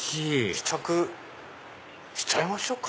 試着しちゃいましょうか。